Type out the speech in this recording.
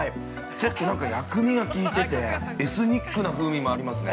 ちょっとなんか薬味が効いててエスニックな風味もありますね。